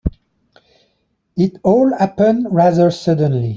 It all happened rather suddenly.